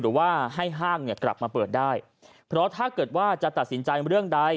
หรือว่าให้ห้างเนี่ยกลับมาเปิดได้เพราะถ้าเกิดว่าจะตัดสินใจเรื่องใด